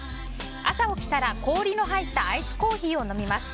朝起きたら、氷の入ったアイスコーヒーを飲みます。